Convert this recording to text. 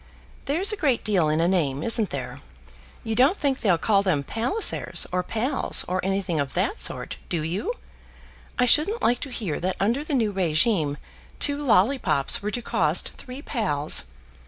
"There's a great deal in a name; isn't there? You don't think they'll call them Pallisers, or Palls, or anything of that sort; do you? I shouldn't like to hear that under the new régime two lollypops were to cost three Palls.